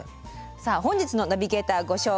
さあ本日のナビゲーターご紹介いたします。